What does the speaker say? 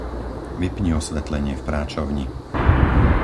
Vypni osvetlenie v práčovni.